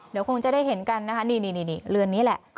เดี๋ยวคงจะได้เห็นกันนะคะนี่เรือนนี้แหละ